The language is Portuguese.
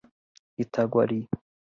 Itaguari